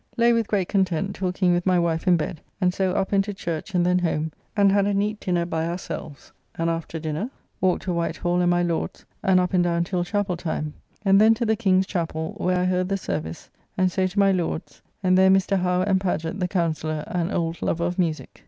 Lay with great content talking with my wife in bed, and so up and to church and then home, and had a neat dinner by ourselves, and after dinner walked to White Hall and my Lord's, and up and down till chappell time, and then to the King's chappell, where I heard the service, and so to my Lord's, and there Mr. Howe and Pagett, the counsellor, an old lover of musique.